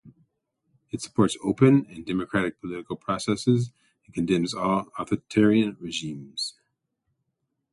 It supports open and democratic political processes and condemns all authoritarian regimes.